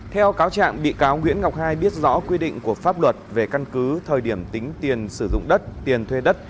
theo cáo trạng bị cáo nguyễn ngọc hai biết rõ quy định của pháp luật về căn cứ thời điểm tính tiền sử dụng đất tiền thuê đất